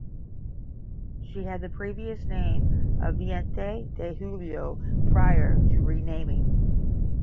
She had the previous name of Veinte de Julio prior to renaming.